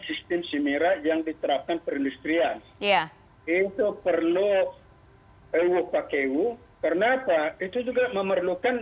sistem semirai yang diterapkan perindustrian ya itu perlu ewo pakewuh kenapa itu juga memerlukan